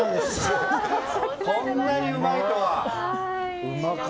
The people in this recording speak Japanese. こんなにうまいとは。